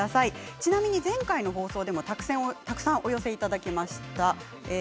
ちなみに前回の放送でもたくさんお寄せいただきました。